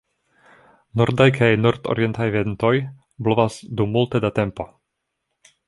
Nordaj kaj nordorientaj ventoj blovas dum multe da tempo.